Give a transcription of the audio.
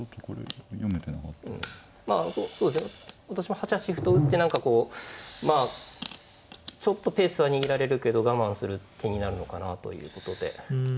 私も８八歩と打って何かこうちょっとペースは握られるけど我慢する気になるのかなということで。